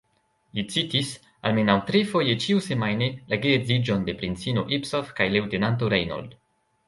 Li citis, almenaŭ trifoje ĉiusemajne, la geedziĝon de princino Ipsof kaj leŭtenanto Reinauld.